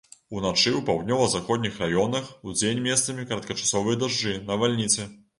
Уначы ў паўднёва-заходніх раёнах, удзень месцамі кароткачасовыя дажджы, навальніцы.